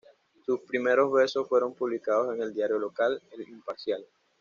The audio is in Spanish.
Sus primeros versos fueron publicados en el diario local, "El Imparcial".